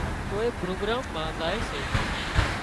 ڪوئي پروگرام مان زائي سي